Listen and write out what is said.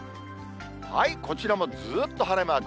こちらもずーっと晴れマーク。